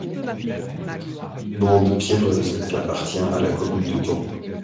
Bande pierreuse, elle appartient à la commune de Torgu.